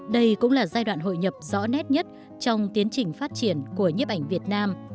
đây cũng là giai đoạn hội nhập rõ nét nhất trong tiến trình phát triển của nhiếp ảnh việt nam